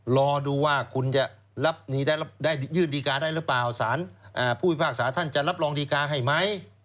รอดูว่าคุณจะได้ยื่นดีการ์ได้หรือเปล่าสารผู้พิพากษาท่านจะรับรองดีการ์ให้ไหม